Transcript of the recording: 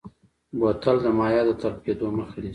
بوتل د مایعاتو د تلف کیدو مخه نیسي.